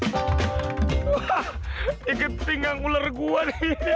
wah ikut pinggang ular gua nih